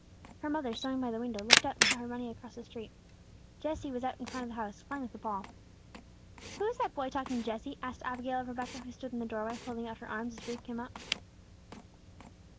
Her mother, sewing by the window, looked out and saw her running across the street. Jesse was out in front of the house, playing with a ball. "Who is that boy talking to Jesse?" asked Abigail of Rebecca, who stood in the doorway, holding out her arms as Ruth came up.